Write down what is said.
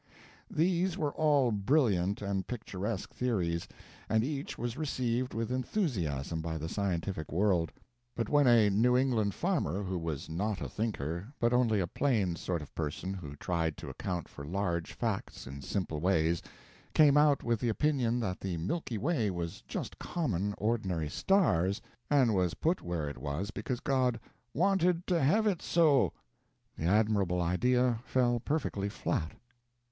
These were all brilliant and picturesque theories, and each was received with enthusiasm by the scientific world; but when a New England farmer, who was not a thinker, but only a plain sort of person who tried to account for large facts in simple ways, came out with the opinion that the Milky Way was just common, ordinary stars, and was put where it was because God "wanted to hev it so," the admirable idea fell perfectly flat.